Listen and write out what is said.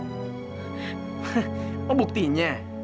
hah mau buktiinya